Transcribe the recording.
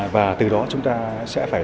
và từ đó chúng ta sẽ phải